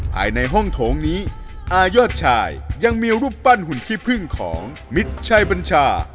ภายในห้องโถงนี้อายอดชายยังมีรูปปั้นหุ่นขี้พึ่งของมิตรชัยบัญชา